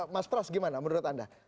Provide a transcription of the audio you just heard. mas pras gimana menurut anda